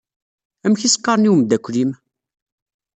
Amek i s-qqaṛen i wemdakel-im?